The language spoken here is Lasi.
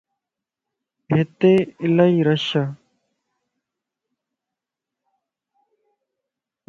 ھتي الائي رش ائي